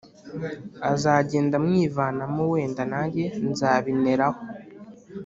azagenda amwivanamo wenda najye nzabineraho.